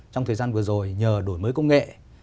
trong thời gian vừa rồi nhờ đổi mới công nghệ